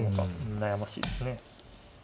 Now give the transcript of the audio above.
悩ましいですね。